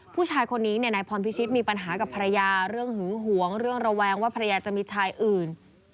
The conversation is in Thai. ผู้ชายคนนี้นายพรพิชิตมีปัญหากับภรรยาเรื่องหึงหวงเรื่องระแวงว่าภรรยาจะมีชายอื่น